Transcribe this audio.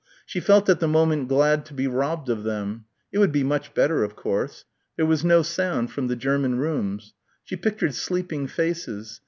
She felt at the moment glad to be robbed of them. It would be much better, of course. There was no sound from the German rooms. She pictured sleeping faces.